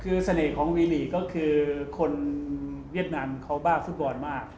คือเสน่ห์ของวีลีกก็คือคนเวียดนามเขาบ้าฟุตบอลมาก